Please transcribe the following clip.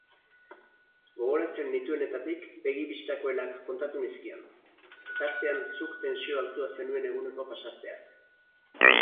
Gogoratzen nituenetatik begi-bistakoenak kontatu nizkion, tartean zuk tentsio altua zenuen eguneko pasartea.